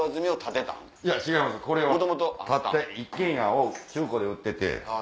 一軒家を中古で売ってて。